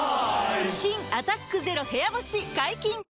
新「アタックＺＥＲＯ部屋干し」解禁‼